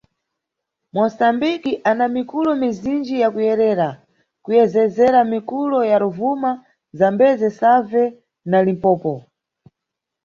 Moçambique ana mikulo mizinji ya kuyerera, kuyezezera mikulo ya Rovuma, Zambeze, Save na Limpompo.